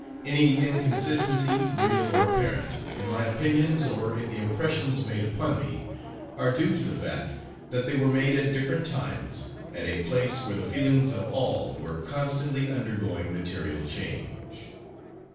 Any inconsistencies, real or apparent, in my opinions or in the impressions made upon me, are due to the fact that they were made at different times at a place where the feelings of all were constantly undergoing material change.